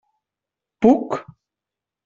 Puc?